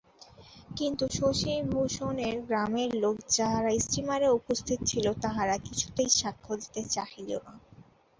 কিন্তু শশিভভূষণের গ্রামের লোক যাহারা স্টিমারে উপস্থিত ছিল তাহারা কিছুতেই সাক্ষ্য দিতে চাহিল না।